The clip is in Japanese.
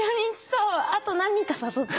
あと何人か誘って。